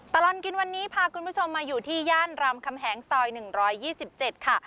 ตลอดกินวันนี้พาคุณผู้ชมมาอยู่ที่ย่านรามคำแหงซอย๑๒๗ค่ะ